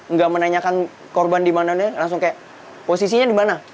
nggak menanyakan korban dimana langsung kayak posisinya dimana